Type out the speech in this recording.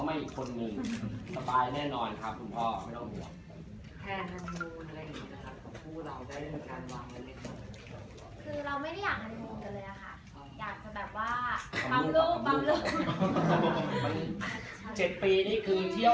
มาอีกคนหนึ่งสบายแน่นอนครับคุณพ่อไม่ต้องห่วงแทนฮันมูลอะไรอย่างนี้นะครับ